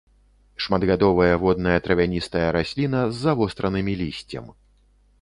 Шматгадовая водная травяністая расліна з завостранымі лісцем.